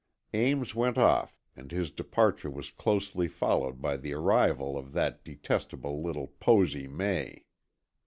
Ames went off and his departure was closely followed by the arrival of that detestable little Posy May.